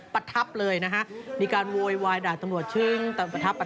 ประทับเลยนะฮะมีการโวยวายด่าตำรวจซึ่งประทับ